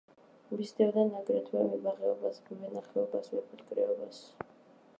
მისდევდნენ აგრეთვე მებაღეობას, მევენახეობას, მეფუტკრეობას.